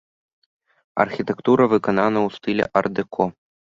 Архітэктура выканана ў стылі ар-дэко.